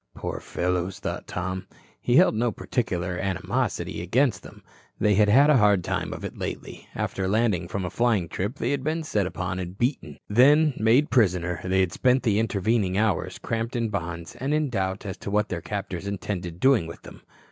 Poor fellows, thought Tom, who held no particular animosity against them, they had had a hard time of it lately. After landing from a flying trip, they had been set upon and beaten. Then, made prisoner, they had spent the intervening hours cramped in bonds and in doubt as to what their captors intended doing with them.